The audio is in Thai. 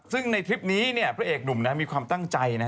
ซึ่งในทริปนี้เนี่ยพระเอกหนุ่มนะมีความตั้งใจนะฮะ